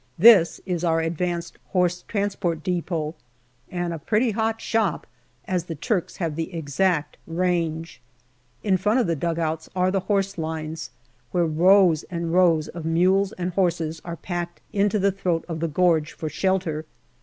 This is our advanced Horse Transport depot, and a pretty hot shop, as the Turks have the exact range. In front of the dugouts are the horse lines, where rows and rows of mules and horses are packed into the throat of the gorge for shelter.